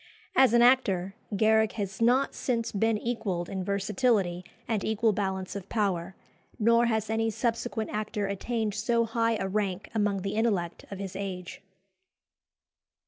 As an actor, Garrick has not since been equalled in versatility and equal balance of power; nor has any subsequent actor attained so high a rank among the intellect of his age.